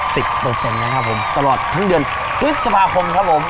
เปอร์เซ็นต์นะครับผมตลอดทั้งเดือนพฤษภาคมครับผม